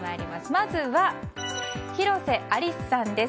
まずは、広瀬アリスさんです。